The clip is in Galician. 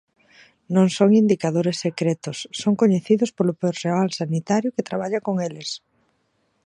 Non son indicadores secretos, son coñecidos polo persoal sanitario que traballa con eles.